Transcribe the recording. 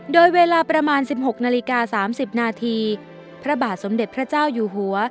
โดยเวลาประมาณ๑๖นาฬิกา๓๐นาทีพระบาทสมเด็จพระเจ้าอยู่หัว